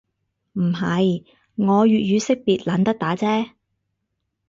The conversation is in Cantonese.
唔係，我粵語識別懶得打啫